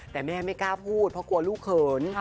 แต่แม่ไม่กล้าพูดเพราะกลัวลูกเขิน